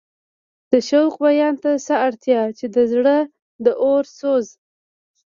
د شوق بیان ته څه اړتیا چې د زړه د اور سوز.